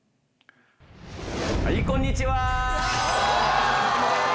はい、こんにちは。